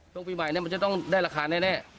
ช่วงปีใหม่มันจะต้องได้ราคาแน่